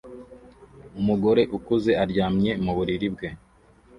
Umugore ukuze aryamye mu buriri bwe